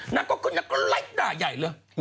นังก็ไล่หน่าใหญ่เลย